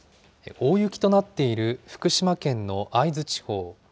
大雪となっている福島県の会津地方。